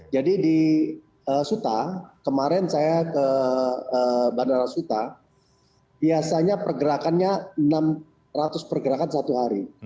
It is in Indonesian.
jadi di suta kemarin saya ke bandara suta biasanya pergerakannya enam ratus pergerakan satu hari